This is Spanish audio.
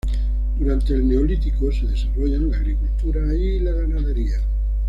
Durante el Neolítico se desarrollan la agricultura y la ganadería.